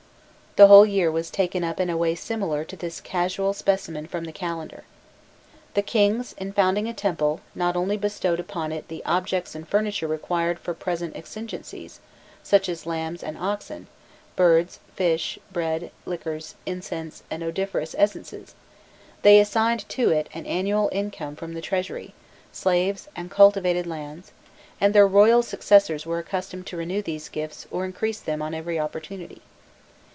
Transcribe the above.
The whole year was taken up in a way similar to this casual specimen from the calendar. The kings, in founding a temple, not only bestowed upon it the objects and furniture required for present exigencies, such as lambs and oxen, birds, fish, bread, liquors, incense, and odoriferous essences; they assigned to it an annual income from the treasury, slaves, and cultivated lands; and their royal successors were accustomed to renew these gifts or increase them on every opportunity.